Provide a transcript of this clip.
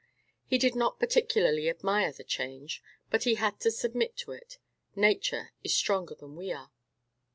He did not particularly admire the change, but he had to submit to it. Nature is stronger than we are.